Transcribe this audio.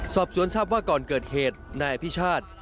สอบสวนทราบว่าก่อนเกิดเหตุนายอภิชาติ